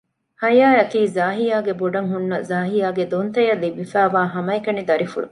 ހަޔާ އަކީ ޒާހިޔާގެ ބޮޑަށް ހުންނަ ޒާހިޔާގެ ދޮންތަ އަށް ލިބިފައިވާ ހަމަ އެކަނި ދަރިފުޅު